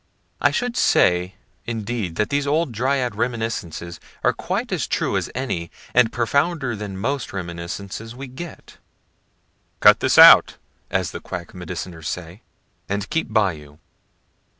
I should say indeed that those old dryad reminiscences are quite as true as any, and profounder than most reminiscences we get. ("Cut this out," as the quack mediciners say, and keep by you.)